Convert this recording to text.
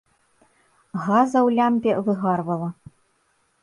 Газа ў лямпе выгарвала.